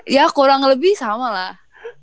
ya kurang lebih sama lah